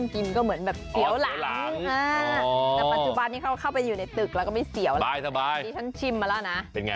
เดี๋ยวหลังเด็ดก็มากิน